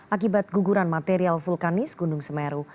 akibat guguran material vulkanis gunung semeru